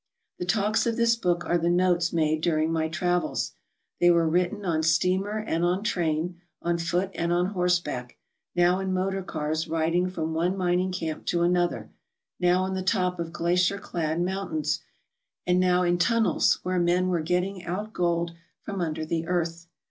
The talks of this book are the notes made during my travels. They were written on steamer and on train, on foot and on horseback, now in motor cars riding* from one mining camp to another, now on the top of glacier clad mountains, and now in tunnels Where men were getting out gold from under the earth.